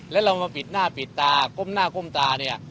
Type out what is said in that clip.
แล้วเรามาปิดหน้าปิดตาก้มหน้าก้มตาเนี่ย